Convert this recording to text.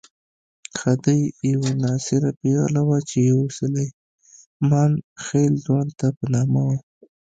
خدۍ یوه ناصره پېغله وه چې يو سلیمان خېل ځوان ته په نامه وه.